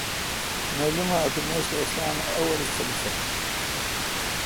نل م اتوں میش تہ اسلام اے°اوّلک خلیفہ